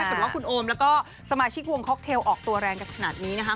ถ้าคุณโอมและก็สมาชิกวงค็อกเทลออกตัวแรงกับขนาดนี้นะคะ